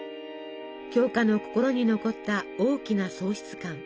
鏡花の心に残った大きな喪失感。